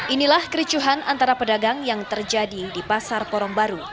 inilah kericuhan antara pedagang yang terjadi di pasar porong baru